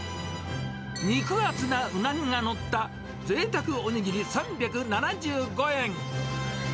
肉厚なウナギが載ったぜいたくお握り３７５円。